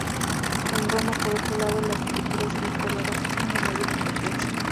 En Roma, por otro lado, la arquitectura civil cobrará una mayor importancia.